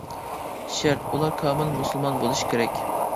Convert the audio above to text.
شەرت ئۇلار كامىل مۇسۇلمان بولۇشى كېرەك.